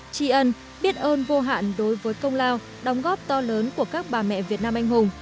tri ân biết ơn vô hạn đối với công lao đóng góp to lớn của các bà mẹ việt nam anh hùng